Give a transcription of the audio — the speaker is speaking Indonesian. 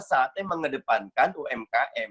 saatnya mengedepankan umkm